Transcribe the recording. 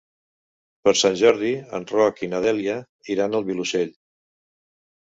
Per Sant Jordi en Roc i na Dèlia iran al Vilosell.